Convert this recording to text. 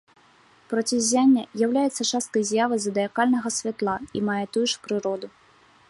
Проціззянне з'яўляецца часткай з'явы задыякальнага святла і мае тую ж прыроду.